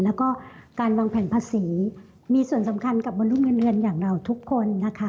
แล้วก็การวางแผนภาษีมีส่วนสำคัญกับมนุษย์เงินเดือนอย่างเราทุกคนนะคะ